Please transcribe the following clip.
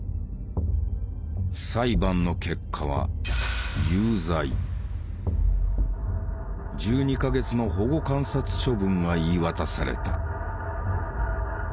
裁判の結果は１２か月の保護観察処分が言い渡された。